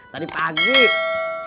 tadi pagi soejak ngantriin gua